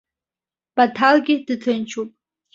Баҭалгьы дҭынчуп.